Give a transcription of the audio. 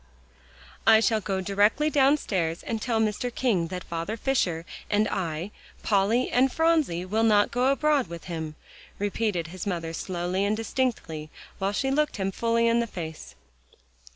"I shall go directly downstairs and tell Mr. King that Father Fisher and I, Polly and Phronsie, will not go abroad with him," repeated his mother slowly and distinctly while she looked him fully in the face.